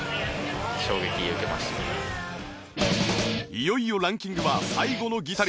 いよいよランキングは最後のギタリスト